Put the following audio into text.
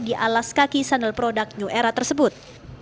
di alas kaki sandal produk new era tersebut